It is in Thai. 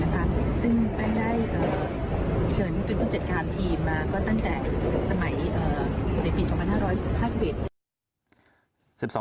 ซึ่งแป้งได้เฉินเป็นผู้จัดการทีมมาก็ตั้งแต่สมัยในปี๒๕๕๑